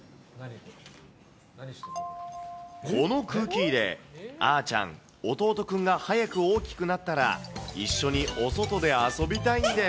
この空気入れ、あーちゃん、弟くんが早く大きくなったら、一緒にお外で遊びたいんです。